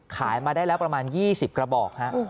ขายมาได้แล้วประมาณ๒๐กระบอกฮะ